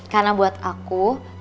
karena buat aku